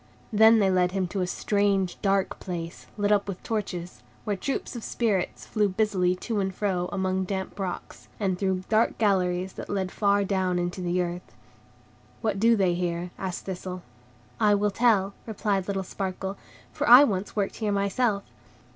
Then they led him to a strange, dark place, lit up with torches; where troops of Spirits flew busily to and fro, among damp rocks, and through dark galleries that led far down into the earth. "What do they here?" asked Thistle. "I will tell," replied little Sparkle, "for I once worked here myself.